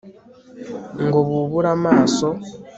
ngo bubure amaso